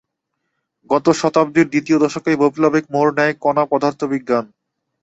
গত শতাব্দীর দ্বিতীয় দশকেই বৈপ্লবিক মোড় নেয় কণা পদার্থবিজ্ঞান।